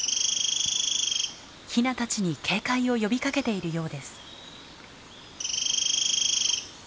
ヒナたちに警戒を呼びかけているようです。